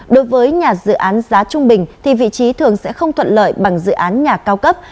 đối với nhà dự án giá trung bình thì vị trí thường sẽ không thuận lợi bằng dự án nhà cao cấp